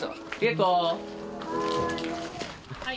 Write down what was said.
はい。